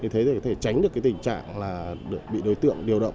thế thì có thể tránh được tình trạng bị đối tượng điều động